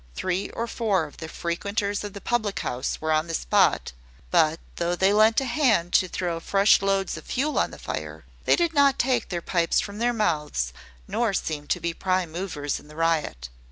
Three or four of the frequenters of the public house were on the spot; but though they lent a hand to throw fresh loads of fuel on the fire, they did not take their pipes from their mouths, nor seem to be prime movers in the riot.